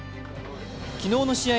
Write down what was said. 昨日の試合